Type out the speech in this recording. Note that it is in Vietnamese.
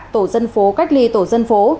tổ dân phố cách ly tổ dân phố